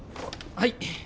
はい。